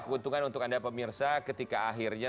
keuntungan untuk anda pemirsa ketika akhirnya